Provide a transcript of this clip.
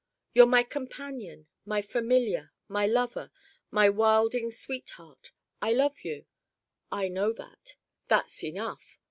You're my Companion, my Familiar, my Lover, my wilding Sweetheart I love you! I know that that's enough.